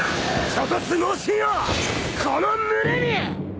猪突猛進をこの胸に！